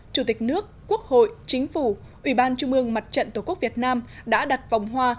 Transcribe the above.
chủ tịch nước quốc hội chính phủ ủy ban trung ương mặt trận tổ quốc việt nam đã đặt vòng hoa